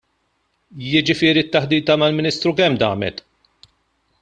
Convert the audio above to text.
Jiġifieri t-taħdita mal-Ministru kemm damet?